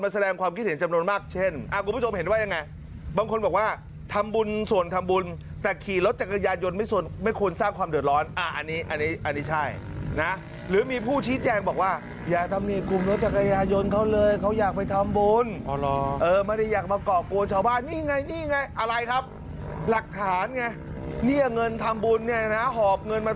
แสดงความคิดเห็นจำนวนมากเช่นอ่ะกลุ่มผู้ชมเห็นว่ายังไงบางคนบอกว่าทำบุญส่วนทำบุญแต่ขี่รถจักรยายนไม่ส่วนไม่ควรสร้างความเดือดร้อนอ่ะอันนี้อันนี้อันนี้ใช่นะหรือมีผู้ชี้แจงบอกว่าอย่าทำเนี่ยคุมรถจักรยายนเขาเลยเขาอยากไปทำบุญอ๋อเหรอเออไม่ได้อยากมาเกาะโกนชาวบ้านนี่ไงนี่